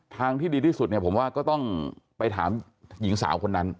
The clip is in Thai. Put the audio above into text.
ที่ดีที่สุดเนี่ยผมว่าก็ต้องไปถามหญิงสาวคนนั้น